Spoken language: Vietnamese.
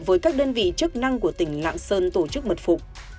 với các đơn vị chức năng của tỉnh lạng sơn tổ chức mật phục